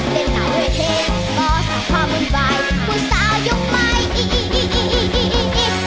เต้นหนัวให้เห็นบอสภาพมือบ่ายผู้สาวยุคใหม่อีอีอีอีอีอีอีอี